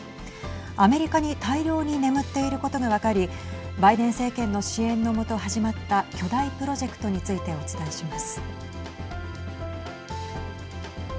アメリカに大量に眠っていることが分かりバイデン政権の支援の下始まった巨大プロジェクトについてお伝えします。